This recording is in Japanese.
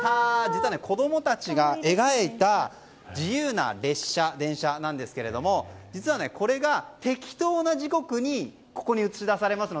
実は、子供たちが描いた自由な列車、電車なんですけども実は、これがてきとな時刻にここに映し出されます。